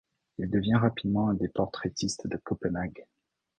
Il devient rapidement un des portraitistes de Copenhague.